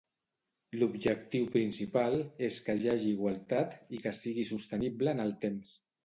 L'objectiu principal és que hi hagi igualtat i que sigui sostenible en el temps.